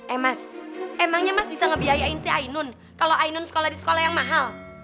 eh mas emangnya mas bisa ngebiayain si ainun kalau ainun sekolah di sekolah yang mahal